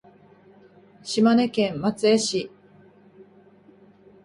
島根県松江市